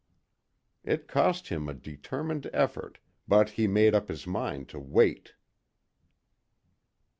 It cost him a determined effort, but he made up his mind to wait.